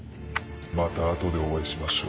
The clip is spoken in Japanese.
また後でお会いしましょう。